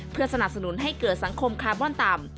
เพื่อสนับสนุนให้เกิดสังคมคาร์บอนต่ำ